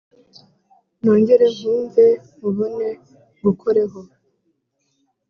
nongere nkumve, nkubone, ngukoreho